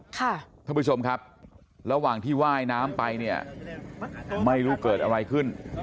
ท่านผู้ชมครับระหว่างที่ว่ายน้ำไปเนี่ยไม่รู้เกิดอะไรขึ้น